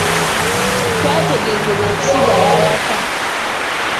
Twategeezebwa okusigala awaka.